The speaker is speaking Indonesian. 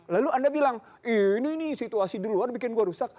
lalu anda bilang ini situasi di luar bikin gue rusak